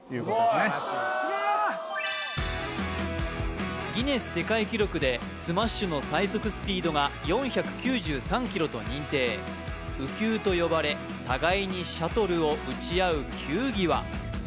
すごい・すげえギネス世界記録でスマッシュの最速スピードが４９３キロと認定羽球と呼ばれ互いにシャトルを打ち合う球技は？